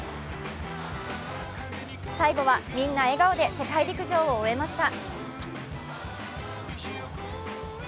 最後は、みんな笑顔で世界陸上を終えました。